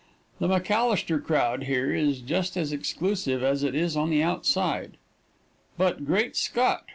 The McAllister crowd here is just as exclusive as it is on the outside. But, great Scott!